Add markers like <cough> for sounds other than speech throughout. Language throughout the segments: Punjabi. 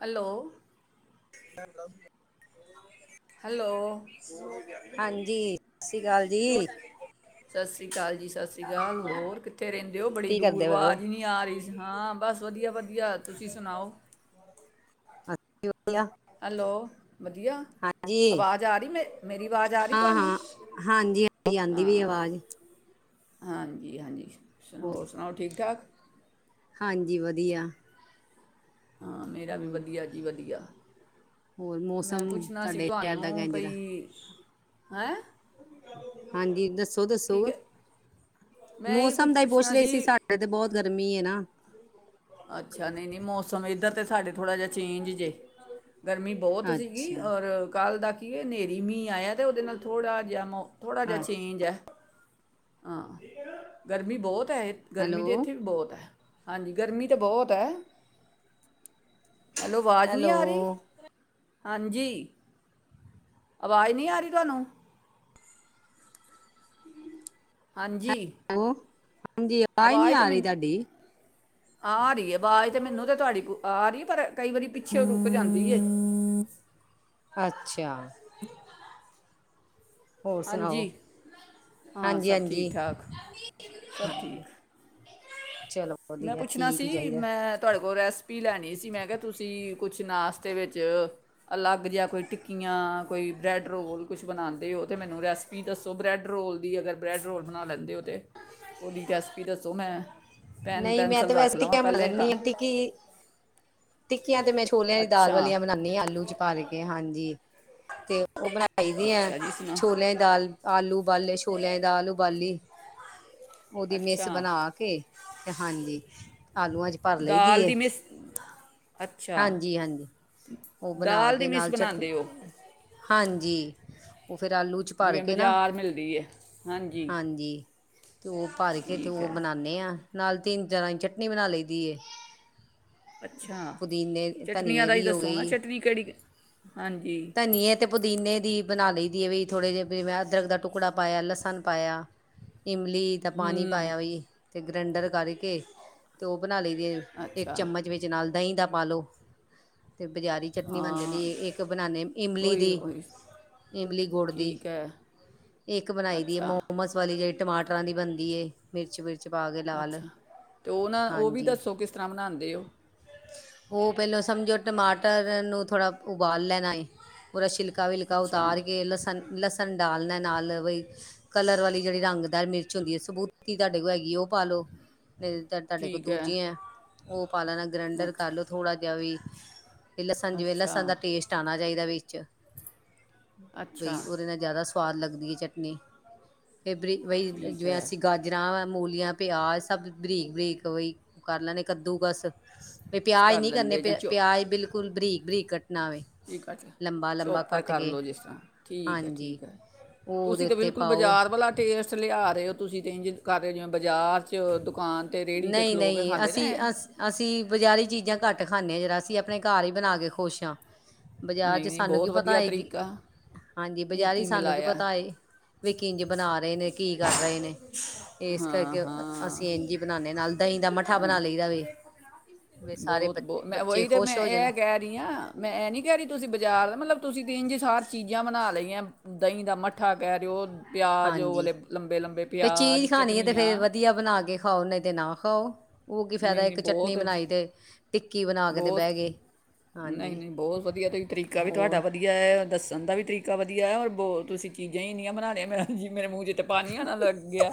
ਹੈਲੋ। <inaudible> ਹੈਲੋ। ਹਾਂਜੀ, ਸਤਿ ਸ਼੍ਰੀ ਅਕਾਲ ਜੀ। ਸਤਿ ਸ੍ਰੀ ਅਕਾਲ ਜੀ, ਸਤਿ ਸ੍ਰੀ ਅਕਾਲ, ਹੋਰ ਕਿੱਥੇ ਰਹਿੰਦੇ ਹੋ? ਬੜੀ ਕੀ ਦੂਰ ਕਰਦੇ ਪਏ ਹੋ ਵਾਜ਼ ਹੀ ਨੀ ਆ ਰਹੀ, ਹਾਂ ਬਸ ਵਧੀਆ। ਵਧੀਆ, ਤੁਸੀਂ ਸੁਣਾਓ। <unintelligible> ਵਧੀਆ। ਹੈਲੋ। ਵਧੀਆ, ਹਾਂਜੀ ਆਵਾਜ਼ ਆ ਰਹੀ ਮੇ ਮੇਰੀ ਆਵਾਜ਼ ਆ ਰਹੀ ਹਾਂ ਤੁਹਾਨੂੰ? ਹਾਂ ਹਾਂਜੀ ਹਾਂਜੀ ਆਉਂਦੀ ਵੀ ਹਾਂ। ਆਵਾਜ਼ ਹਾਂਜੀ-ਹਾਂਜੀ। <unintelligible> ਹੋਰ ਸੁਣਾਓ, ਠੀਕ ਠਾਕ। ਹਾਂਜੀ, ਵਧੀਆ। ਹਾਂ, ਮੇਰਾ ਵੀ ਹੋਰ ਵਧੀਆ ਜੀ ਵਧੀਆ। ਹੋਰ ਮੈਂ ਮੌਸਮ ਪੁੱਛਨਾ ਸੀ ਤੁਹਾਡੇ ਸ਼ਹਿਰ ਦਾ ਤੁਹਾਨੂੰ ਕਿੰਜ ਦਾ ਭਈ, ਹੈਂ? ਹਾਂਜੀ ਦੱਸ ਕੀ ਦੱਸੋ-ਦੱਸੋ ਕ ਮੈਂ ਇਹੀ ਕੁਛ ਮੌਸਮ ਦਾ ਹੀ ਪੁੱਛ ਪੁੱਛਣਾ ਰਹੀ ਸੀ ਸਾਡੇ ਤੇ ਬਹੁਤ ਗਰਮੀ ਏ ਨਾ। ਅੱਛਾ, ਨਹੀਂ-ਨਹੀਂ ਮੌਸ ਸਮ ਇਧਰ ਤੇ ਸਾਡ ਥੋੜ੍ਹਾ ਜਾ ਚੇਂਜ ਜੇ, ਗਰਮੀ ਬਹੋਤ ਸੀਗੀ ਅੱਛਾ ਔਰ ਕੱਲ੍ਹ ਦਾ ਠੀਕ ਐ ਹਨੇਰੀ ਮੀਹ ਆਇਆ ਤੇ ਉਹਦੇ ਨਾਲ ਥੋੜਾ, ਜਿਹਾ ਥੋੜਾ ਜਿਹਾ ਹੈਲੋ ਚੇਂਜ ਐ। ਹਾਂ, ਗਰਮੀ ਬਹੋਤ ਐ, ਗਰਮੀ ਤੇ ਹੈਲੋ ਇੱਥੇ ਵੀ ਬਹੋਤ ਐ। ਹਾਂਜੀ। ਗਰਮੀ ਤੇ ਬਹੋਤ ਐ। ਹੈਲੋ, ਅਵਾਜ਼ ਨੀ ਆ ਰੀ? ਹੈਲੋ ਹਾਂਜੀ, ਆਵਾਜ਼ ਨੀ ਆ ਰਹੀ ਤੁਹਾਨੂੰ? <inaudible> ਹਾਂਜੀ। ਹਾਂਜੀ ਨਹੀਂ ਆਵਾਜ਼ ਤੇ ਆ ਰਹੀ ਮੈਨੂੰ, ਤੁਹਾਡੀ ਆ ਰਹੀ ਆਵਾਜ਼ ਤੇ ਮੈਨੂੰ ਤੇ ਤੁਹਾਡੀ ਆ ਰਹੀ ਪਰ, ਕਈ ਵਾਰੀ ਪਿੱਛੇ ਰੁਕ ਜਾਂਦੀ। ਅੱਛਾ। ਹੋਰ ਸੁਣਾਓ ਹਾਂਜੀ, ਹਾਂ ਹਾਂਜੀ ਸਭ ਠੀਕ ਹਾਂਜੀ -ਠਾਕ ਸਭ ਠੀਕ। ਚਲੋ ਮੈਂ ਵਧੀਆ ਪੁੱਛਣਾ ਠੀਕ ਹੀ ਸੀ, ਚਾਹੀਦਾ ਮੈਂ ਤੁਹਾਡੇ ਕੋਲ ਰੈਸ ਪੀ ਲੈਣੀ ਸੀ, ਮੈਂ ਕਿਹਾ ਤੁਸੀਂ ਕੁਛ ਨਾਸ਼ਤੇ ਵਿੱਚ ਅਲੱਗ ਜਿ ਕੋਈ ਟਿੱਕੀਆਂ, ਕੋਈ ਬ੍ਰੈਡ ਰੋਲ, ਕੁਛ ਬਣਾਉਂਦੇ ਹੋ ਤਾਂ ਮੈਨੂੰ ਰੈਸਪੀ ਦੱਸੋ ਬ੍ਰੈਡ ਰੋਲ ਦੀ, ਅਗਰ ਬ੍ਰੈਡ ਰੋਲ ਬਣਾ ਲੈਂਦੇ ਹੋ ਤਾਂ, ਉਹਦੀ ਰੈਸਪੀ ਦੱਸੋ। ਮੈਂ ਪੈਨ ਨਹੀਂ ਮੈਂ ਪੈਨਸਲ ਤੇ ਰੱਖ ਵੈਸੇ, ਲਵਾਂ ਟਕੀਆਂ ਬਣਾ ਪਹਿਲੇ ਤਾਂ ਲੈਂਦੀ ਹ ਟਿੱਕੀ ਟਿੱਕੀਆਂ ਤੇ ਮੈਂ ਛੋਲਿਆਂ ਦੀ ਦਾਲ ਅੱਛਾ ਵਾਲੀਆਂ ਬਣਾਦੀ ਹਾਂ। ਆਲੂ ਚ ਪਾ ਕੇ ਹਾਂਜੀ। ਜੀ ਤੇ। ਉਹ ਬਣਾਈ ਦੀ ਆ, ਅੱਛਾ ਜੀ ਸੁਣਾ ਛੋਲਿਆਂ ਦੀ ਦਾਲ ਆਲੂ ਬਾਲੇ, ਛੋਲਿਆਂ ਦੀ ਦਾਲ ਉਬਾਲੀ। ਉਹਦੀ ਮਿਸ ਅੱਛਾ ਬਣਾ ਕੇ ਤੇ ਹਾਂਜੀ। ਆਲੂਆਂ ਚ ਭਰ ਲਈ ਦਾਲ ਦੀਏ, ਦੀ ਮਿਸ ਅੱਛਾ ਹਾਂਜੀ-ਹਾਂਜੀ ਉਹ ਬਣਾ ਦਾਲ ਦੀ ਕੇ, ਮਿਸ ਨਾਲ ਚਟਨੀ ਬਣਾਉਂਦੇ ਹੋ ਹਾਂਜੀ। ਉਹ ਫਿਰ ਆਲੂ ਚ ਭਰ ਜਿਵੇਂ ਕੇ ਨਾ ਬਾਜ਼ਾਰ ਮਿਲਦੀ ਏ। ਹਾਂਜੀ। ਤੇ ਉਹ ਭਰ ਕੇ ਤੇ, ਠੀਕ ਓ ਹੈ ਬਨਾਉਂਦੇ ਆਂ। ਨਾਲ ਤਿੰਨ ਤਰ੍ਹਾਂ ਦੀ, ਚਟਨੀ ਬਣਾ ਲਈ ਦੀ ਏ। ਅੱਛਾ, ਪੁਦੀਨੇ ਚਟਨੀਆਂ ਧਨੀਏ ਦਾ ਹੀ ਦੀ ਹੋ ਦੱਸੋ ਨਾ ਗਈ ਚਟਨੀ ਕਿਹੜੀ? ਹਾਂਜੀ ਧਨੀਏ ਤੇ ਪੁਦੀਨੇ ਬਣਾ ਲਈ ਦੀਏ, ਵੀ ਥੋੜੇ ਜਿਹੇ ਮੈਂ ਅਦਰਕ ਦਾ ਟੁਕੜਾ ਪਾਇਆ, ਲਸਣ ਪਾਇਆ। ਇਮਲੀ ਦਾ ਪਾਣੀ ਪਾਇਆ। ਤੇ ਗਰੈਂਡਰ ਕਰਕੇ, ਤੇ ਉਹ ਬਣਾ ਲਈ ਦੀ, ਇੱਕ ਅੱਛਾ ਚਮਚ ਵਿੱਚ ਨਾਲ ਦਹੀਂ ਦਾ ਪਾਲੋ। ਤੇ ਬਾਜ਼ਾਰੀ ਚਟਨੀ ਬਣ ਹਾਂ ਜਾਂਣੀ ਇੱਕ ਇਮਲੀ ਉਹੀ ਦੀ, ਉਹੀ ਇਮਲੀ ਗੁੜ ਦੀ, ਠੀਕ ਹੈ ਇੱਕ ਬਣਾਈ ਦੀ ਹੈ, ਅੱਛਾ ਮੋਮਸ ਵਾਲੀ ਜੜੀ ਟਮਾਟਰਾਂ ਦੀ ਬਣਦੀ ਏ ਮਿਰਚ ਵੀ ਅੱਛਾ, ਤੇ ਉਹ ਨਾ ਉਹ ਵੀ ਹਾਂਜੀ ਦੱਸੋ, ਕਿਸ ਤਰ੍ਹਾਂ ਬਣਾਉਂਦੇ ਓ? ਉਹ ਪਹਿਲੋਂ ਸਮਝੋ, ਟਮਾਟਰ ਨੂੰ ਥੋੜਾ ਉਬਾਲ ਲੈਣ ਆਏ ਪੂਰਾ ਸ਼ਿਲਕਾ <inaudible> ਕਾਵਲ ਕਾ ਤਾਂ ਅੱਛਾ ਆਰਕੇ ਲਸਨ ਲਸਣ ਡਾਲਣਾ, ਨਾਲ ਬਈ ਕਲਰ ਵਾਲੀ ਜਿਹੜੀ ਰੰਗਦਾਰ ਮਿਰਚ ਹੁੰਦੀ ਹੈ, ਸਬੂਤੀ ਤੁਹਾਡੇ ਕੋਲ ਹੈਗੀ ਉਹ ਪਾ ਲਉ। ਨਹੀਂ, ਤੁਹਾਡੇ ਕੋਲ ਠੀਕ ਹੈ ਦੂਜੀ ਆ? ਪਾ ਲੈਣਾ ਗ੍ਰੈਂਡਰ ਕਰ ਲੋ ਅੱਛਾ ਥੋੜਾ ਜਾ ਵੀ ਤੇ ਲਸਣ ਜਿਵੇਂ ਅੱਛਾ ਲਸਣ ਦਾ ਟੇਸਟ ਆਣਾ ਚਾਹੀਦਾ, ਵਿੱਚ। ਬਈ ਅੱਛਾ ਉਹਦੇ ਨਾਲ ਜਿਆਦਾ ਸਆਦ ਲੱਗਦੀ ਏ, ਚਟਨੀ। ਫਿਰਬਰੀ ਬਈ ਠੀਕ ਜਿਵੇਂ ਹੈ ਅਸੀਂ ਗਾਜਰਾਂ ਵਾ ਮੂਲੀਆਂ, ਪਿਆਜ ਸਭ ਬਰੀਕ ਬਰੀਕਹੀ ਕਰ ਲੈਣੇ, ਕੱਦੂਕਸ ਵੀ ਪਿਆਜ ਕਰ ਨਹੀਂ ਕਰਨੇ, ਲੈਂਦੇ ਜਾਂ ਪਿਆ ਚੋ ਪਿਆਜ ਬਿਲਕੁਲ ਬਰੀਕ -ਬਰੀਕ ਕਟਨਾਵੇ। ਚੋਪਰ ਕਰ ਲਓ, ਜਿਸ ਤਰ੍ਹਾਂ ਠੀਕ ਹੈ ਹਾਂਜੀ ਠੀਕ ਹੈ ਉਹ ਉਹਦੇ ਤੁਸੀਂ ਤਾਂ, ਉੱਤੇ ਬਿਲਕੁਲ ਪਾਓ ਬਾਜ਼ਾਰ ਵਾਲਾ ਟੇਸਟ ਲਿਆ ਰਹੇ ਹੋ ਤੁਸੀਂ ਤੇ ਇੰਝ ਕਰਦੇ ਜਿਵੇਂ ਬਾਜ਼ਾਰ 'ਚ ਦੁਕਾਨ ਤੇਤੇ ਰੇਹੜੀ ਤੇ ਖਲੋ ਕੇ ਨਹੀਂ-ਨਹੀਂ ਖਾਂਦੇ ਨੇ ਅਸੀਂ ਅਸ ਅਸੀਂ ਬਜ਼ਾਰੀ ਚੀਜ਼ਾਂ ਘੱਟ ਖਾਂਦੇ ਹਾਂ, ਜਿਹੜਾ ਅਸੀਂ ਆਪਣੇ ਘਰ ਹੀ ਬਣਾ ਕੇ ਖੁਸ਼ ਹਾਂ। ਬਜ਼ਾਰ ਚ ਨਹੀਂ ਨਹੀਂ ਸਾਨੂੰ ਕੀ ਬਹੁਤ ਪਤਾ ਵਧੀਆ ਹੈਏ, ਕਿ ਤਰੀਕਾ ਹਾਂਜੀ ਕੀ ਬਜ਼ਾਰ ਹੀ ਸਾਨੂੰ ਕੀ ਮਿਲਾਇਆ ਪਤਾ ਏ। ਕੀੰਜ ਬਣਾ ਰਹੇ ਨੇ, ਕੀ ਕਰ ਰਹੇ ਨੇ? ਇਸ ਹਾਂ ਕਰਕੇ ਹਾਂ ਅਸੀਂ ਇੰਝ ਬਣਾਨੇ, ਦੇ ਨਾਲ ਦਹੀਂ ਦਾ ਮਠਾ ਬਣਾ ਲਈ ਦਾ। ਵੀ <unintelligible> ਬਹੁਤ- ਬਹੁਤ, ਮੈਂ ਉਹੀ ਤੇ ਮੈਂ ਖੁਸ਼ ਹੋ ਜਾਂਦੇ ਇਹ ਕਹਿ ਰਹੀ ਹਾਂ, ਮੈਂ ਇਹ ਨੀ ਕਹਿ ਰਹੀ ਤੁਸੀਂ ਬਾਜ਼ਾਰ ਮਤਲਬ, ਤੁਸੀਂ ਤੰਝ ਸਾਰ ਚੀਜ਼ਾਂ ਬਣਾ ਲਈਆਂ ਦਹੀਂ ਦਾ ਮੱਠਾ ਕਹਿ ਰਹੇ ਹੋ ਪਿਆਜ਼ ਹਾਂਜੀ ਲੇ ਲੰਬੇ -ਲੰਬੇ ਫਿਰ ਪਿਆਜ਼, ਚੀਜ਼ ਖਾਣੀ ਹੈ ਤੇ ਚਟਨੀਆਂ। ਫਿਰ ਵਧੀਆ ਬਣਾ ਕੇ ਖਾਓ, ਨਹੀਂ ਤੇ ਨਾ ਖਾਓ। ਉਹ ਕੀ ਨਹੀਂ ਫਾਇਦਾ, ਨਹੀਂ ਇੱਕ ਚਟਨੀ ਬਹੁਤ ਬਣਾਈ ਦੇ ਬਹੁਤ, ਨਹੀਂ ਹਾਂਜੀ -ਨਹੀਂ ਬਹੁਤ ਵਧੀਆ, ਤਰੀਕਾ ਵੀ ਤੁਹਾਡਾ ਹੋਰ ਵਧੀਆ ਹੈ, ਦੱਸਣ ਦਾ ਵੀ ਤਰੀਕਾ ਵੀਆ ਔਰ ਬ ਤੁਸੀਂ ਚਜ਼ਾਂ ਹੀ ਇਨੀਆਂ ਬਣਾ ਲਿਆ ਮ ਮੇਰੇ ਮੂੰਹ <inaudible> ਤੇ ਪਾਣੀ ਆਉਨ ਲੱਗ ਗਿਆ,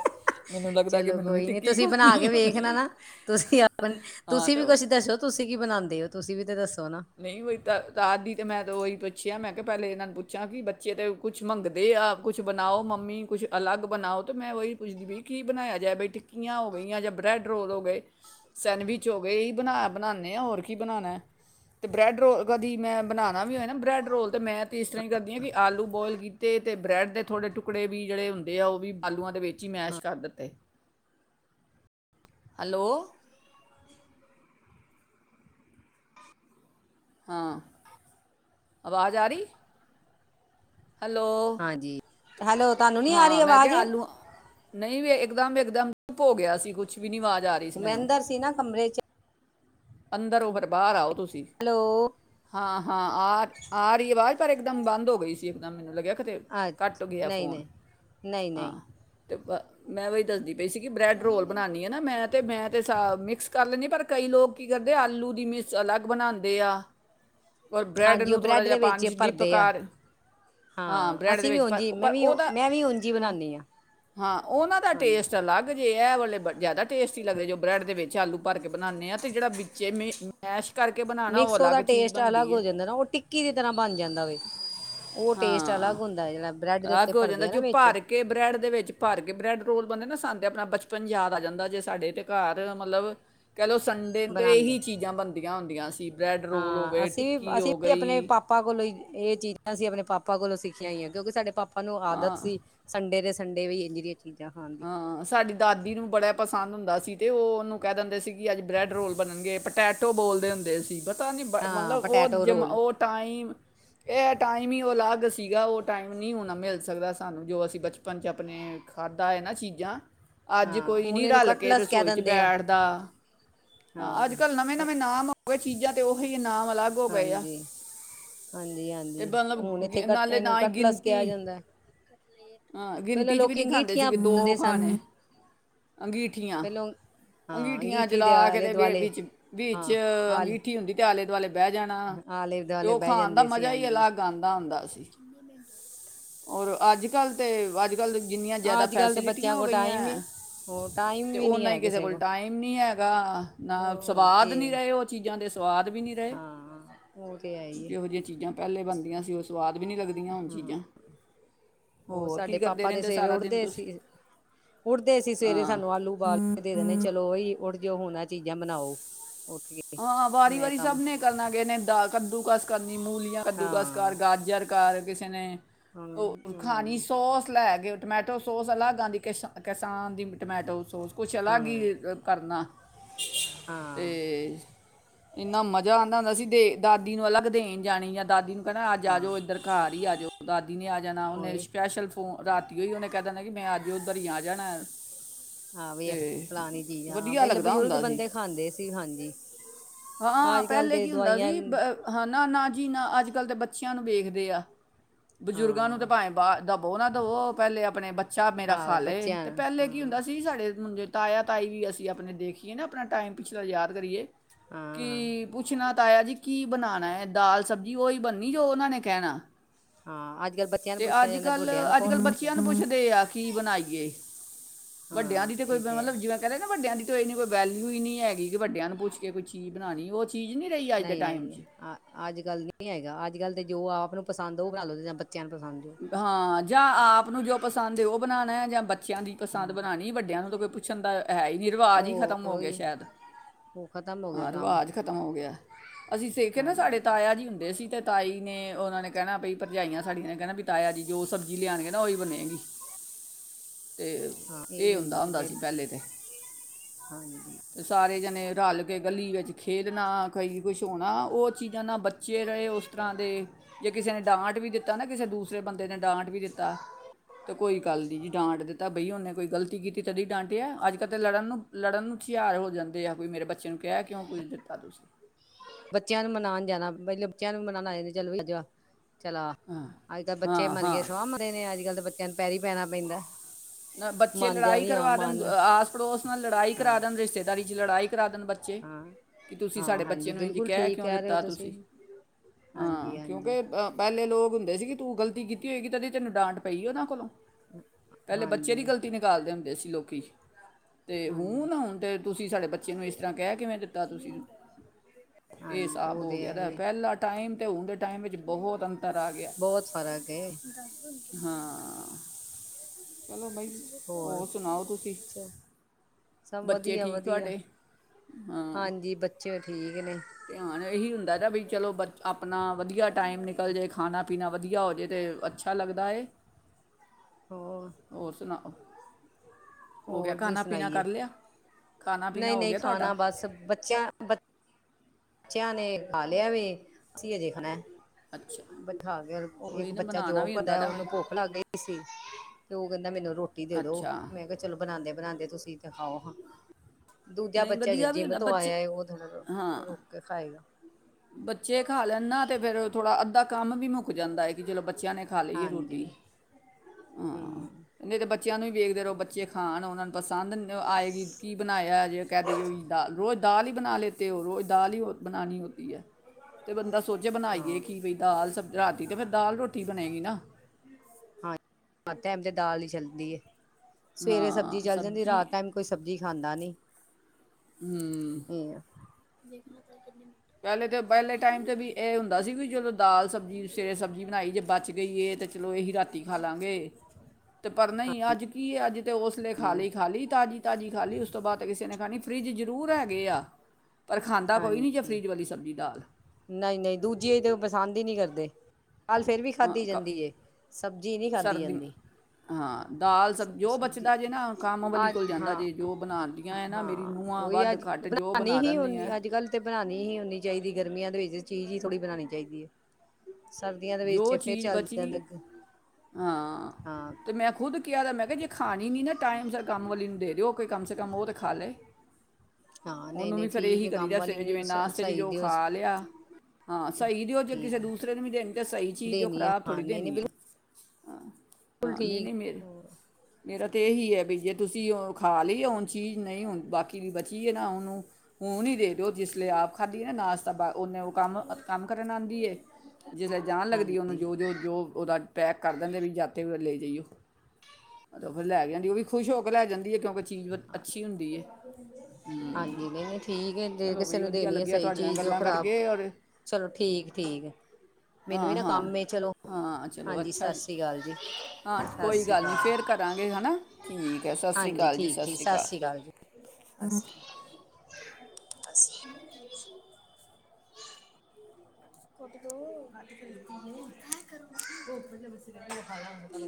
ਮੈਨੂੰ ਲੱਗਦਾ ਕਿ ਚਲੋ ਮੈਨੂੰ ਵੀ ਕੋਈ ਨੀ ਟਿੱਕੀ ਤੁਸੀਂ ਬਣਾ ਖਾਨੀ ਕੇ ਉਹ ਵੇਖਣਾ ਨਹੀਂ ਨਾ ਤੁਸੀਂ ਆਪ ਹਾਂ ਤੁਸੀਂ ਤੇ ਵੀ ਉਹ ਕੁਛ ਦੱਸੋ ਤੁਸੀਂ ਕੀ ਬਨਾੰਦੇ ਓ ਤੁਸੀਂ ਵੀ ਤਾਂ ਦੱਸੋ। ਨਾ ਨਹੀਂ ਉਈ ਤ ਤ ਦੀ ਤੇ ਮੈਂ ਉਹੀ ਪੁੱਛਿਆ ਮੈਂ <inaudible> ਕਿਹਾ ਪਹਿਲੇ ਇਹਨਾਂ ਨੂੰ ਪੁੱਛਾਂ ਕਿ, ਬੱਚੇ ਤਾਂ ਕੁਛ ਮੰਗਦੇ ਆ ਕੁਛ ਬਣਾਓ ਮੰਮੀ, ਕੁਛ ਅਲੱਗ ਬਣਾਓ, ਤੇ ਮੈਂ ਉਹੀ ਪੁੱਛਦੀ ਵੀ ਕੀ ਬਣਾਇਆ ਜਾਏ ਬਈ, ਟਿੱਕੀਆਂ ਹੋ ਗਈਆਂ, ਜਾਂ ਬ੍ਰੈਡ ਰੋਲ ਹੋ ਗਏ, ਸੈਂਡਵਿਚ ਹੋ ਗਏ, ਇਹਹੀ ਬਣਾ ਬਣਾਉਦੇ ਆਂ, ਹੋਰ ਕੀ ਬਣਾਉਣਾ? ਅਤੇ ਬਰੈੱਡ ਰੋਲ ਕਦੀ ਮੈਂ ਬਨਾਨਾ ਵੀ ਹੋਏ ਨਾ, ਬਰੈਡ ਰੋਲ ਤਾਂ ਮੈਂ ਇਸ ਤਰ੍ਹਾਂ ਹੀ ਕਰਦੀ ਹਾਂ, ਕਿ ਆਲੂ ਬੋਇਲ ਕੀਤੇ ਅਤੇ ਬਰੈਡ ਦੇ ਥੋੜ੍ਹੇ ਟੁਕੜੇ ਵੀ ਜਿਹੜੇ ਹੁੰਦੇ ਆ, ਉਹ ਵੀ ਆਲੂਆਂ ਦੇ ਵਿੱਚ ਹੀ ਮੈਸ਼ ਕਰ ਦਿੱਤੇ। ਹੈਲੋ ਹਾਂ ਆਵਾਜ਼ ਆ ਰਹੀ ਹੈਲੋ ਹਾਂਜੀ ਹੈਲੋ ਤੁਹਾਨੂੰ ਨੀ ਆ ਰਹੀ ਹਾਂ ਆਵਾਜ਼ ਇਕਦਮ ਇੱਕਦਮ ਧੁੱਪ ਹੋ ਗਿਆ ਸੀ ਕੁੱਛ ਵੀ ਨੀ ਵਾਚ <unintelligible> ਉਹ ਮੈਂ ਅੰਦਰ ਸੀ ਨਾ ਕਮਰੇ ਚ ਅੰਦਰ ਉਹ ਫਿਰ ਬਾਹਰ ਆਓ ਤੁਸੀਂ ਹੈਲੋ ਹਾਂ ਹਾਂ ਆ ਆ ਰਹੀ ਆਵਾਜ਼ ਪਹਿਲੇ ਇੱਕਦਮ ਬੰਦ ਹੋ ਗਈ ਸੀ <unintelligible> ਮੈਨੂੰ ਲੱਗਿਆ ਤੇ ਅੱ ਕਟ ਗਿਆ ਨਹੀਂ ਫੋਨ ਨਹੀਂ ਨਹੀਂ ਹਾਂ ਨਹੀਂ ਅਤੇ ਬ ਮੈਂ ਬਹੀ ਦੱਸਦੀ <unintelligible> ਸੀਗੀ ਬ੍ਰੈਡ ਰੋਲ ਬਣਾਉਂ ਆ ਨਾ ਮੈਂ ਤੇ ਮੈਂ ਤੇ ਕੁਛ ਕਰ ਲੈਂਦੇ ਪਰ ਕਈ ਲੋਕ <unintelligible> ਕੀ ਕਰਦੇ ਆਲੂ ਦੀ ਮਿਨਸ ਅਲੱਗ ਬਣਾਉਂਦੇ ਆ ਔਰ ਬ੍ਰੈਡ ਹਾਂਜੀ ਉਹ ਨੂੰ ਥੋੜ੍ਹਾ ਜਿਹਾ ਦੇ ਵਿੱਚ ਪਾਣੀ ਡਿੱਪ ਭਰਦੇ ਆ ਕਰ ਹਾਂ ਬਰੈਡ ਦੇ ਅਸੀਂ ਵੀ ਵਿੱਚ ਪਰ ਉਂਝੀ ਮੈਂ ਪਰ ਵੀ ਉਹਦਾ ਮੈਂ ਵੀ ਉਂਝੀ ਹਾਂ ਬਣਾਉਦੀ ਹਾਂ ਉਹਨਾਂ ਦਾ ਹਾਂਜੀ ਟੇਸਟ ਅਲੱਗ ਜੇ ਇਹ ਵਾਲੇ ਜ਼ਿਆਦਾ ਟੇਸਟੀ ਲੱਗਦੇ ਜੋ ਬ੍ਰੈਡ ਦੇ ਵਿੱਚ ਆਲੂ ਭਰ ਕੇ ਬਣਾਉਂਦੇ ਆ ਤੇ ਜਿਹੜਾ ਵਿੱਚੇ ਮੈਸ਼ ਕਰਕੇ ਬਣਾਉਣਾ ਉਹ ਮਿਕਸ ਅਲੱਗ ਉਹਦਾ ਚੀਜ਼ ਟੇਸਟ ਬਣ ਅਲੱਗ ਹੋ ਜਾਂਦਾ ਨਾ ਉਹ ਟਿੱਕੀ ਦੀ ਤਰ੍ਹਾਂ ਬਣ ਜਾਂਦਾ ਵੈ ਉਹ ਟੇਸਟ ਅਲੱਗ ਹਾਂ ਹੁੰਦਾ ਜਿਹੜਾ ਬ੍ਰੈਡ ਦੇ ਉੱਤੇ ਅਲੱਗ ਹੋ ਭਰਦੀ ਜਾਂਦਾ ਆ ਨਾ ਜੋ ਵਿੱਚ ੋ <unintelligible> ਲ ਬੰਦੇ ਨਾ ਸਾਂਦੇ ਆਪਣਾ ਬਚਪਨ ਯਾਦ ਆ ਜਾਂਦਾ ਜੇ ਸਾਡੇ ਤੇ ਘਰ ਮਤਲਬ ਕਹਿ ਲੋ ਸੰਡੇ ਨੂੰ ਤੇ ਬਣਾਉਂਦੇ ਇਹੀ ਚੀਜ਼ਾਂ ਬਣਦੀ ਆਂ ਹੁੰਦੀਆਂ ਸੀ <unintelligible> ਬਰੈਡ ਰੋਲ ਹੋ ਹਾਂ ਗਏ ਟਿੱਕੀ ਅਸੀਂ ਹੋ ਵੀ ਆਪਣੇ ਗਈ ਪਾਪਾ ਕੋਲੋਂ ਹੀ ਇਹ ਚੀਜ਼ਾਂ ਅਸੀਂ ਆਪਣੇ ਪਾਪਾ ਕੋਲੋਂ ਸਿੱਖੀਆਂ ਹੋਇਆ ਕਿਉਂਕਿ ਸਾਡੇ ਪਾਪਾ ਆਪਾਂ ਨੂੰ ਆਦਤ ਹਾਂ ਸੀ ਸੰਡੇ ਦੇ ਸਡੇਏੰਜ੍ਰ <unintelligible> ਚੀਜ਼ਾਂ ਖਾਣ ਦੀ ਹਾਂ ਸਾਡੀ ਦਾਦੀ ਨੂੰ ਬੜਾ ਪਸੰਦ ਹੁੰਦਾ ਸੀ ਤੇ ਉਹਨੂੰ ਕਹਿ ਦਿੰਦੇ ਸੀ ਕਿ ਅੱਜ ਬ੍ਰੈਡ ਰੋਲ ਬਣਨਗੇ ਪਟੈਟੋ ਬੋਲਦੇ ਹੁੰਦੇ ਸੀ ਮ ਹਾਂ ਪਟੈਟੋ ਰੋਲ <unintelligible> ਉਹ ਅਲੱਗ ਸੀਗਾ ਉਹ ਟਾਈਮ ਨਹੀਂ ਹੁਣ ਮਿਲ ਸਕਦਾ ਸਾਨੂੰ ਜੋ ਅਸੀਂ ਬਚਪਨ ਚ ਆਪਣੇ ਖਾ ਧਾ ਇਹ ਨਾ ਚੀਜ਼ਾਂ ਅੱਜ ਹਾਂ ਕੋਈ ਹੁਣ ਨੀ ਇਹਨੂੰ ਰਲ ਕੇ ਕਟਲਸ ਕਹਿ ਰਸੋਈ ਚ ਦਿੰਦੇ ਆ ਬੈਠਦਾ ਹਾਂ ਅੱਜ ਕੱਲ੍ਹ ਨਵੇਂ ਨਵੇਂ ਨਾਮ ਹੋਏ ਚੀਜ਼ਾਂ ਤੇ ਉਹੀ ਨਾਮ ਅਲੱਗ ਹੋ ਗਏ ਆ ਹਾਂਜੀ ਹਾਂਜੀ ਤੇ ਹਾਂਜੀ ਮਤਲਬ ਹੁਣ ਇੱਥੇ ਕ ਨਾਲੇ ਇਹਨੂੰ ਨਾ ਹੀ ਕਟਲਸ ਕਿਹਾ ਗਿਣਤੀ ਜਾਂਦਾ ਪਹਿਲਾਂ ਗਿਣਤੀ ਚ ਵੀ ਲੋਕੀ ਨਹੀਂ ਖਾਂਦੀ ਅੰਗੀਠੀਆਂ ਬਾਲਦੇ ਸਨ <inaudible> ਪਹਿਲੋਂ ਹਾਂ ਅੰਗੀਠੀਆਂ-ਅੰਗੀਠੀਆਂ ਅੰਗੀਠੀ ਦੇ ਜਲਾਕੇ ਆਲੇ ਤੇ ਦੁਆਲੇ ਵਿਚ ਹਾਂ ਆਲੇ ਅੰਗੀਠੀ ਹੁੰਦੀ ਤੇ ਆਲੇ ਦੁਆਲੇ ਬਹਿ ਜਾਣਾ ਆਲੇ ਤੇ ਦੁਆਲੇ ਉਹ ਬਹਿ ਖਾਣ ਦਾ ਜਾਂਦੇ ਸੀ ਮਜ਼ਾ ਹੀ ਹਾਂਜੀ ਅਲੱਗ ਆਂਦਾ ਹੁੰਦਾ ਸੀ। ਹੋਰ ਅੱਜ- ਕੱਲ ਤੇ ਅੱਜ ਅੱਜ-ਕੱਲ ਜਿੰਨੀਆਂ ਜ਼ਿਆਦਾ ਅੱਜ ਕੱਲ੍ਹ ਦੇ ਫੈਸੀਲਿਟੀਆਂ ਬੱਚਿਆਂ ਹੋ ਕੋਲ ਗਈਆਂ ਟਾਈਮ ਹੀ ਹੋਰ ਟਾਈਮ ਤੇ ਵੀ ਨਹੀਂ ਉਨਾ ਹੀ ਹੈ ਕਿਸੇ ਕੋਲ ਟਾਈਮ ਨਹੀਂ ਹੈ। ਗਾ ਨਾ ਹੋਰ ਸਵਾਦ ਨੀ ਇਹ ਹੈ ਰਹੇ ਉਹ ਚੀਜ਼ਾਂ ਦੇ ਸਵਾਦ ਵੀ ਨਹੀਂ ਰਹੇ ਹਾਂ ਉਹ ਤੇ ਹੈ ਹੀ ਹੈ। ਜਿਹੋ ਜਿਹੀਆਂ ਚੀਜ਼ਾਂ ਪਹਿਲੇ ਬਣਦੀਆਂ ਸੀ, ਉਹ ਸਵਾਦ ਵੀ ਨਹੀਂ ਲੱਗਦੀਆਂ ਹੁਣ ਚੀਜ਼ਾਂ ਉਹ ਹੋਰ ਸਾਡੇ ਕੀ ਕਰਦੇ ਪਾਪਾ ਤੇ ਰਹਿੰਦੇ ਸਵੇਰੇ ਸਾਰਾ ਦਿਨ ਉੱਠਦੇ ਤੁਸੀਂ ਸੀ ਉੱਠਦੇ ਸੀ ਸਵੇਰੇ ਹਾਂ ਸਾਨੂੰ ਆਲੂ ਬਾਲ ਕੇ ਦੇ ਦੇਣੇ ਚਲੋ ਉਹੀ ਉੱਠ ਜੇ ਹੋਣਾ ਚੀਜ਼ਾਂ ਬਣਾਓ। ਉੱਠ ਕੇ ਹਾਂ, ਵਾਰੀ- ਮੈਂ ਵਾਰੀ ਸਭ ਕੰਮ ਨੇ ਕਰਨਾ ਗਏ ਨੇ ਦਾ ਕੱਦੂ ਬਸ ਕਰ ਮੂਲੀਆਂ ਕੱਦੂਕਸ ਕਰ, ਹਾਂ ਗਾਜਰ ਕਰ ਕਿਸੇ ਨੇ ਉਹ ਖਾਣੀ ਹਾਂ ਸੋਸ ਲੈ ਕੇ ਟਮੈਟੋ ਸੋਸ ਅਲੱਗ ਆਂਦੀ ਕਿਸ ਕਿਸਾਨ ਦੀ ਟਮੈਟੋ ਸੋਸ ਕੁਛ ਅਲੱਗ ਹਾਂ ਹੀ ਕਰਨਾ ਤੇ ਹਾਂ ਇੰਨਾ ਮਜ਼ਾ ਆਂਦਾ ਹੁੰਦਾ ਸੀ ਦੇ ਦਾਦੀ ਨੂੰ ਅਲੱਗ ਦੇਣ ਜਾਣੀ ਜਾਂ ਦਾਦੀ ਨੂੰ ਕਹਿਣਾ ਅੱਜ ਆ ਹਾਂ ਜਾਓ ਇੱਧਰ ਘਰ ਹੀ ਆ ਜਾਓ ਦਾਦੀ ਨੇ ਆ ਜਾਣਾ ਉਹਨੇ ਉਹੀ ਸਪੈਸ਼ਲ ਫੋ ਰਾਤੀ ਹੋਈ ਉਹਨੇ ਕਹਿ ਦੇਣਾ ਕਿ ਮੈਂ ਅੱਜ ਉਧਰ ਈ ਆ ਜਾਣਾ। ਆਹ ਵੀ ਤੇ ਫਲਾਣੀ ਚੀਜ਼ ਆ ਹ ਵਧੀਆ ਪਹਿਲੇ ਲੱਗਦਾ ਬਜ਼ੁਰਗ ਹੁੰਦਾ ਸੀ ਬੰਦੇ ਖਾਂਦੇ ਸੀ ਹਾਂਜੀ। ਹਾਂ ਅੱਜ ਕੱਲ੍ਹ ਪਹਿਲੇ ਤੇ ਕੀ ਹੁੰਦਾ ਦਵਾਈਆਂ ਸੀ ਬ ਹਾਂ ਨਾ ਨਾ ਜੀ ਨਾ ਅੱਜ- ਕੱਲ੍ਹ ਦੇ ਬੱਚਿਆਂ ਨੂੰ ਵੇਖਦੇ ਆ। ਬਜ਼ੁਰਗਾਂ ਨੂੰ ਹਾਂ ਭਾਂਏ ਬਾਹਰ ਦਬ ਓਨਾਂ ਤੋ ਪਹਿਲੇ ਆਪਣੇ ਬੱ ਚਾਹ ਮੇਰਾ ਆਹੋ ਖਾ ਲਏ ਬੱਚਿਆਂ ਤੇ ਪਹਿਲੇ ਕੀ ਹਾਂ ਹੁੰਦਾ ਸੀ ਸਾਡੇ ਹੁਣ ਜੇ ਤਾਇਆ ਤਾਈ ਵੀ ਅਸੀਂ ਆਪਣੇ ਦੇਖੀਏ ਨਾ ਆਪਣਾ ਟਾਈਮ ਪਿਛਲਾ ਯਾਦ ਕਰੀਏ ਹਾਂ ਕੀ ਪੁੱਛਣਾ ਤਾਇਆ ਜੀ ਕੀ ਬਣਾਣਾ ਹੈ। ਦਾਲ ਸਬਜ਼ੀ ਉਹੀ ਬਣਨੀ ਜੋ ਉਹਨਾਂ ਨੇ ਕਹਿਣਾ ਹਾਂ ਅੱਜ ਕੱਲ੍ਹ ਬੱਚਿਆਂ ਨੂੰ ਤੇ ਪੁੱਛਿਆ ਅੱਜ ਜਾਂਦਾ ਕੱਲ ਵੱਡਿਆਂ ਨੂੰ ਅੱਜ ਕੌਣ ਕੱਲ ਪੁੱਛਦਾ ਬੱਚਿਆਂ ਨੂੰ ਪੁੱਛਦੇ ਆ ਕੀ ਬਣਾਈਏ। ਵੱਡਿਆਂ ਹਾਂ ਦੀ ਤੇ ਕੋਈ ਇਹ ਹੈ। ਮਤਲਬ ਜਿਵੇਂ ਕਹਿੰਦੇ ਨਾ ਵੱਡਿਆਂ ਦੀ ਇਹੰਨੀ ਕੋਈ ਵੈਲਿਯੂ ਹੀ ਨਹੀਂ ਹੈਗੀ ਕਿ ਵੱਡਿਆਂ ਨੂੰ ਪੁੱਛ ਕੋਈ ਚੀਜ਼ ਬਣਾਣੀ ਉਹ ਚੀਜ਼ ਰਹੀ ਅੱਜ ਦੇ ਨਹੀਂ ਟਾਈਮ ਨਹੀਂ 'ਚ ਅ ਅੱਜ ਕੱਲ ਨਹੀਂ ਹੈਗਾ ਅੱਜ ਕੱਲ ਤਾਂ ਜੋ ਆਪ ਉਹਨੂੰ ਪਸੰਦ ਉਹ ਜਾਂ ਬੱਚਿਆਂ ਨੂੰ ਪਸੰਦ ਹੋ। ਹਾਂ ਜਾਂ ਆਪ ਨੂੰ ਜੋ ਪਸੰਦ ਹੈ ਉਹ ਬਣਾਣਾ ਐ। ਜਾਂ ਬੱਚਿਆਂ ਦੀ ਪਸੰਦ ਹਾਂ ਬਣਾਣੀ ਵੱਡਿਆਂ ਨੂੰ ਤਾਂ ਕੋਈ ਪੁੱਛਣ ਦਾ ਹੈ ਹੀ ਨਹੀਂ ਰਿਵਾਜ਼ ਹੀ ਉਹ ਖਤਮ ਹੋ ਗਏ ਉਹੀ ਸ਼ਾਇਦ ਉਹ ਖ਼ਤਮ ਹੋ ਗਿਆ ਹਾਂ ਕੰਮ ਰਿਵਾਜ਼ ਖਤਮ ਹੋ ਗਿਆ। ਅਸੀਂ ਸੇਖ ਨਾ ਸਾਡੇ ਹਾਂਜੀ ਤਾਇਆ ਜੀ ਹੁੰਦੇ ਸੀ ਤੇ ਤਾਈ ਨੇ ਉਹਨਾ ਨੇ ਕਹਿਣਾ ਬਈ ਭਰਜਾਈਆਂ ਸਾਡੀਆਂ ਨੇ ਕਹਿਣਾ ਵੀ ਤਾਇਆ ਜੀ ਜੋ ਸਬਜ਼ੀ ਲਿਆਣਗੇ ਨਾ ਉਹੀ ਬਣੇਗੀ ਇਹ ਹਦਾ ਹੁੰਦਾ ਸੀ ਪਹਿਲੇ ਤਾਂ ਹਾਂਜੀ। ਸਾਰੇ ਜਾਣੇ ਨੇ ਰਲ ਕੇ ਗਲੀ ਵਿੱਚ ਖੇਡਣਾ ਕਈ ਕੁਛ ਹੋਣਾ ਉਹ ਚੀਜ਼ਾਂ ਨਾਲ ਬੱਚੇ ਰਹੇ ਉਸ ਤਰ੍ਹਾਂ ਦੇ ਜੇ ਕਿਸੇ ਨੇ ਡਾਂਟ ਵੀ ਦਿੱਤਾ ਨਾ ਕਿਸੇ ਦੂਸਰੇ ਬੰਦੇ ਨੇ ਕਿਸੇ ਨੇ ਡਾਂਟ ਵੀ ਦਿੱਤਾ ਤੇ ਕੋਈ ਗੱਲ ਨੀ ਜੀ ਡਾਂਟ ਦਿੱਤਾ ਬਈ ਉਹਨੇ ਕੋਈ ਗ਼ਲਤੀ ਕੀਤੀ ਤਦੀ ਡਾਂਟੇ ਆ ਅੱਜ ਕੱਲ੍ਹ ਲੜਨ ਨੂੰ ਲੜਨ ਨੂੰ ਹਿਆਰ ਹੋ ਜਾਂਦੇ ਆ ਕੋਈ ਮੇਰੇ ਬੱਚੇ ਨੂੰ ਕਿਹਾ ਕਿਉਂ ਕੁਝ ਦਿੱਤਾ ਤੁਸੀਂ ਬੱਚਿਆਂ ਨੂੰ ਮਨਾਣ ਜਾਣਾ ਮਤਲਬ ਬੱਚਿਆਂ ਨੂੰ ਵੀ ਮਨਾ ਆਏ ਨੇ ਚਲੋ ਚਲ ਆ ਅੱਜ ਕੱਲ ਬੱਚੇ ਹਾਂ ਮਰ ਹਾਂ ਗਏ ਸੁਆ ਮਰੇ ਨੇ ਅੱਜ ਕੱਲ ਦੇ ਕਰ ਪੈਰ ਹੀ ਪੈਣਾ ਪੈਂਦਾ। ਨਾ ਬੱਚੇ ਮੰਨ ਜਾ ਲੜਾਈ ਵੀ ਹਾਂ ਕਰਵਾ ਦੇਣ ਮੰਨ ਆਸ ਪੜੋਸ ਨਾਲ ਲੜਾਈ ਹਾਂ ਕਰਾ ਦੇਣ ਰਿਸ਼ਤੇਦਾਰੀ ਲੜਾਈ ਕਰਾ ਦੇਣ ਬੱਚੇ ਹਾਂ ਕਿ ਤੁਸੀਂ ਹਾਂ ਸਾਡੇ ਬੱਚੇ ਹਾਂਜੀ ਨੂੰ ਇੰਝ ਬਿਲਕੁਲ ਕਹਿ ਠੀਕ ਕਿਉਂ ਰਹੇ ਹੋ ਦਿੱਤਾ ਤੁਸੀਂ ਹਾਂਜੀ ਹਾਂ ਹਾਂਜੀ ਕਿਉਂਕਿ ਪਹਿਲੇ ਲੋਕ ਹੁੰਦੇ ਸੀਗੇ ਤੂੰ ਗਲਤੀ ਕੀਤੀ ਹੋਏਗੀ ਤੇ ਉਹਦੀ ਤੈਨੂੰ ਡਾਂਟ ਪਈ ਉਹਨਾਂ ਕੋਲੋਂ ਹੂੰ ਪਹਿਲੇ ਬੱਚੇ ਦੀ ਗਲਤੀ ਨਿਕਾਲਦੇ ਹੁੰਦੇ ਸੀ ਲੋਕ ਅਤੇ ਹਾਂਜੀ ਹੁਣ ਨਾ ਹੁਣ ਤਾਂ ਤੁਸੀਂ ਸਾਡੇ ਬੱਚੇ ਨੂੰ ਇਸ ਤਰ੍ਹਾਂ ਕਹਿ ਕਿਵੇਂ ਦਿੱਤਾ ਤੁਸੀਂ ਇਹ ਹਾਂਜੀ ਹਿਸਾਬ ਉਹ ਹੋ ਤੇ ਗਿਆ ਹੈ ਤਾਂ ਹੀ ਪਹਿਲਾ ਟਾਈਮ ਤੇ ਹੁਣ ਦੇ ਟਾਈਮ ਵਿੱਚ ਬਹੁਤ ਅੰਤਰ ਆ ਗਿਆ ਬਹੁਤ ਫਰਕ ਏ। ਹਾਂ ਚਲੋ ਹੋਰ ਸੁਣਾਓ ਤੁਸੀਂ ਅੱਛਾ ਸਭ ਬੱਚੇ ਵਧੀਆ ਠੀਕ ਵਧੀਆ ਤੁਹਾਡੇ ਹਾਂ। ਹਾਂਜੀ ਬੱਚੇ ਠੀਕ ਨੇ ਤੇ ਆਣਾ ਹੀ ਹੁੰਦਾ ਨਾ ਬਈ। ਚਲੋ ਬਚ ਆਪ ਆਪਣਾ ਵਧੀਆ ਟਾਈਮ ਨਿਕਲ ਜੇ ਖਾਣਾ ਪੀਣਾ ਵਧੀਆ ਹੋ ਜਾਵੇ ਅਤੇ ਅੱਛਾ ਲੱਗਦਾ ਏ। ਹੋਰ ਸੁਣਾਓ? ਹੋ ਗਿਆ ਖਾਣਾ ਪੀਣਾ ਕਰ ਲਿਆ। ਖਾਣਾ ਪੀਣਾ ਹੋ ਨਹੀਂ-ਨਹੀਂ ਗਿਆ ਤੁਹਾਡਾ ਖਾਣਾ ਬਸ ਬੱਚਿਆਂ ਬਚ ਬੱਚਿਆਂ ਨੇ ਖਾ ਲਿਆ ਵੇਂ ਅਸੀ ਹਜੇ ਖਾਣਾ ਅੱਛਾ ਬਿਠਾ ਕੇ ਉਹੀ ਇੱਕ ਨਾ ਬੱਚਾ ਬਣਾਉਣਾ ਜੋਬ ਵੀ ਹੁੰਦਾ ਕਰਦਾ ਨਾ ਉਨੂੰ ਭੁੱਖ ਲੱਗ ਗਈ ਦੀ ਸੀ। ਤੇ ਉਹ ਕਹਿੰਦਾ ਮੈਨੂੰ ਰੋਟੀ ਦੇ ਦੋ ਅੱਛਾ ਮੈਂ ਕਿਹਾ ਚਲੋ ਬਣਾਦੇ ਬਣਾਦੇ ਤੁਸੀਂ ਦਿਖਾਓ ਹਾਂ। ਦੂਜਾ ਨਹੀਂ ਬੱਚਾ ਅਜੇ ਵਧੀਆ ਵੀ ਜਿੰਮ ਹੁੰਦਾ ਤੋਂ ਬੱਚੇ ਆਇਆ ਏ। ਉਹ ਤੇ ਹਾਂ ਰੋਕ ਰੋਕ ਬੱਚੇ ਖਾ ਲੈਣ ਨਾ ਫਿਰ ਥੋੜ੍ਹਾ ਅੱਧਾ ਕੰਮ ਵੀ ਮੁੱਕ ਜਾਂਦਾ ਏ ਕਿ ਚਲੋ ਬੱਚ- ਬੱਚਿਆਂ ਨੇ ਖਾ ਲਈ ਏ ਹਾਂਜੀ ਰੋਟੀ, ਹਾਂ ਹਮ ਨਹੀਂ ਤੇ ਬੱਚ- ਬੱਚਿਆਂ ਨੂੰ ਵੀ ਵੇਖਦੇ ਰਹੋ ਬੱਚੇ ਖਾਣ ਉਨਾਂ ਨੂੰ ਪਸੰਦ ਨ ਆਏਗੀ ਕੀ ਬਣਾਇਆ ਜੇ- ਕਹਿ ਦੇ ਓਈ ਦਾਲ ਰੋਜ਼ ਦਾਲ ਹੀ ਬਣਾ ਲੇਤੇ ਓ। ਰੋਜ਼ ਦਾਲ ਈ ਬਣਾਣੀ ਹੋਤੀ ਐ, ਤੇ ਬੰਦਾ ਸੋਚੇ ਬਣਾਈਏ ਹਾਂ ਕੀ ਬ ਦਾਲ ਸਬ ਰਾਤੀ ਤੇ ਫੇਰ ਦਾਲ ਰੋਟੀ ਈ ਬਣੇਗੀ ਨਾ। ਚਲਦੀ ਏ। ਸਵੇਰੇ ਸਬਜ਼ੀ ਹਾਂ ਚਲ ਜਾਂਦੀ ਐ। ਸਬਜ਼ੀ ਰਾਤ ਟਾਈਮ ਕੋਈ ਸਬਜ਼ੀ ਖਾਂਦਾ ਨੀ। ਹੂੰ। <inaudible> ਪਹਿਲੇ ਤੇ ਪਹਿਲੇ ਟਾਈਮ ਤੇ ਵੀ ਇਹ ਹੁੰਦਾ ਸੀ ਵੀ ਜਦੋਂ ਦਾਲ ਸਬਜ਼ੀ ਸਵੇਰੇ ਸਬਜ਼ੀ ਬਣਾਈ ਜੇ ਬਚ- ਗਈ ਏ ਤੇ ਚਲੋ ਏਹੀ ਰਾਤੀ ਖਾ ਲਾਂਗੇ। ਤੇ ਪਰ ਨਹੀਂ ਅੱਜ ਕੀ ਐ, ਅੱਜ- ਤੇ ਓਸ ਲੇ ਖਾਈ, ਖਾਈ ਤਾਜ਼ੀ-ਤਾਜ਼ੀ ਖਾਲੀ ਉਸ ਤੋਂ ਬਾਅਦ ਕਿਸੇ ਨੇ ਖਾਣੀ ਫਰਿੱਜ ਜ਼ਰੂਰ ਹੈਗੇ ਆ। ਪਰ ਖਾਂਦਾ ਕੋਈ ਨਹੀ ਜੇ ਫ਼ ਫਰਿਜ ਵਲੀ ਸਬਜੀ ਦਾਲ ਨਹੀਂ-ਨਹੀਂ ਦੂਜੇ ਏ ਤੇ ਪਸੰਦ ਹੀ ਨਹੀਂ ਕਰਦੇ। ਦਾਲ ਫੇਰ ਵੀ ਹਾਂ, ਖਾਧੀ ਕ- ਜਾਂਦੀ ਏ। ਸਬਜ਼ੀ ਨਹੀਂ ਖਾਧੀ ਸਰਦੀ ਜਾਂਦੀ। ਹਾਂ ਦਾਲ ਸ ਸਬ ਸ ਜੋ ਸਬਜੀ ਬਚਦਾ ਜੇ ਨਾ ਕੰਮ ਆ ਵਾਲੀ ਕੋਲ ਜਾਂਦਾ ਹਾਂ, ਜੇ ਜੋ ਬਣਾਉਂਦੀਆਂ ਹੈ ਨਾ ਮੇਰੀ ਹਾਂ ਨੂੰਹਾਂ ਉਹੀ ਵੱਧ ਅੱਜ ਘੱਟ ਜੋ ਬਣਾਉਣੀ ਬਣਾ ਹੀ ਦਿੰਦੀਆਂ ਉਨੀ ਅੱਜ ਕੱਲ ਤੇ ਬਣਾਉਣੀ ਹੀ ਉਨੀ ਚਾਹੀਦੀ ਦੇ ਵਿੱਚ ਚੀਜ਼ ਹੀ ਥੋੜ੍ਹੀ ਬਣਾਣੀ ਚਾਹੀਦੀ ਏ। ਜੋ ਚੀਜ਼ ਬਚੀ ਹਾਂ, ਹਾਂ ਤੇ ਮੈਂ ਖੁਦ ਕਿਹਾ ਤਾਂ ਮੈਂ ਕਿਹਾ ਜ ਖਾਣੀ ਨੀ ਨਾ ਟਾਈਮ ਸਿਰ ਕੰਮ ਵਾਲੀ ਨੂੰ ਦੇ ਦਿਓ ਕੋਈ, ਕਮ ਸੇ ਕਮ ਉਹ ਤੇ ਖਾ ਲੈ। ਹਾਂ ਨਹੀਂ ਉਨੂੰ ਵੀ ਨਹੀਂ ਫੇਰ ਠੀਕ ਏ ਹੈ ਕੰਮ ਕਰੀਦਾ ਵਾਲੀ ਸਵੇਰੇ ਵੀ ਜਿਵੇਂ ਨਾਸਤੇ ਚ ਸਹੀ ਜੋ ਦਿਓ ਖਾ ਲਿਆ ਹਾਂ ਸਹੀ ਦਿਓ ਜੋ ਠੀਕ ਕਿਸੇ ਹੈ ਦੂਸਰੇ ਨੂੰ ਵੀ ਦੇਣ। ਤੇ ਸਹੀ ਚੀਜ਼ ਦਿਓ, ਦੇਣੀ ਆ ਖਰਾਬ ਹਾਂ ਥੋੜ੍ਹੀ ਨਹੀਂ ਨਹੀਂ ਦੇਣੀ ਏ। ਬਿਲਕੁਲ <unintelligible> ਹਾਂ, ਠੀਕ ਨਹੀਂ-ਨਹੀਂ ਮੇਰ ਮੇਰਾ ਤੇ ਏਹੀ ਬਿਜੀ ਐ ਬਿਜੀ ਐ ਤੁਸੀਂ ਔ ਖਾ ਲਈ ਏ ਹੋਣ ਚੀਜ਼ ਨਹੀਂ ਹੋਣ ਬਾਕੀ ਦੀ ਬਚ ਚੀਏ ਨਾ ਉਨੂੰ ਹੋਣ ਈ ਦੇ ਦਿਓ। ਜਿਸ ਲੇ ਆਪ ਖਾਧੀ ਏ ਨਾ ਨਾਸ਼ਤਾ ਬਾ ਉਨੇ ਔ ਕੰਮ-ਕੰਮ ਕਰਨ ਆਂਦੀ ਏ। ਜਿਸ ਤਰਾ ਜਾਣ ਲਗਦੀ ਏ ਔਨੂੰ ਹਾਂਜੀ ਜੋ-ਜੋ-ਜੋ, ਪੈਕ ਕਰ ਦੇੰਦੇ ਵੀ ਜਾਤੇ ਹੁਏ ਲੇ ਜਾਈਓ ਫਿਰ ਲੈ ਜਾਂਦੀ ਓਹ ਵੀ ਖੁਸ਼ ਹੋ ਕੇ ਲੈ ਜਾਂਦੀ ਏ ਕਿਓਂਕਿ ਹਾਂ, ਹਾਂਜੀ ਨਹੀਂ ਏ ਠੀਕ ਏ, ਜੇ ਚਲੋ ਕਿਸੇ ਬਈ ਨੂੰ ਵਧੀਆ ਦੇਣੀ ਏ ਲੱਗਿਆ ਸਹੀ ਤੁਹਾਡੇ ਨਾਲ ਚੀਜ਼ ਦੇਉ ਗੱਲਾਂ ਖ਼ਰਾਬ ਕਰਕੇ ਔਰ ਚਲੋ ਠੀਕ ਠੀਕ ਏ। ਮੈਨੂੰ ਵੀ ਨਾ ਕੰਮ ਚਲੋ ਹਾਂ-ਹਾਂ-ਹਾਂ ਚਲੋ, ਹਾਂਜੀ ਅੱਛਾ ਸਤਿ ਜੀ ਸ਼੍ਰੀ ਅਕਾਲ ਜੀ ਹਾਂ ਸਤਿ ਕੋਈ ਸ਼੍ਰੀ ਗੱਲ ਨੀ ਅਕਾਲ ਫੇਰ ਕਰਾਂਗੇ ਹਨਾ। ਠੀਕ ਹੈ, ਸਤਿ ਸ਼੍ਰੀ ਹਾਂਜੀ ਕਾਲ ਜੀ ਠੀਕ ਸਤਿ ਠੀਕ ਸ਼੍ਰੀ ਕਾਲ। ਅਕਾਲ ਜੀ ਸਤਿ ਸ਼੍ਰੀ ਅਕਾਲ ਕੋਟ ਦੋ, ਕਾ ਕਰੂ ਮੰਮੀ, ਅਈਔ ਖਾਲੈ ਹੋਣ।